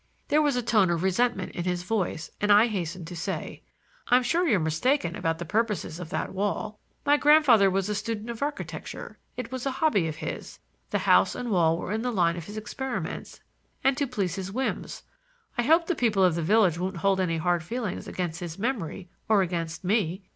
There was a tone of resentment in his voice, and I hastened to say: "I'm sure you're mistaken about the purposes of that wall. My grandfather was a student of architecture. It was a hobby of his. The house and wall were in the line of his experiments, and to please his whims. I hope the people of the village won't hold any hard feelings against his memory or against me.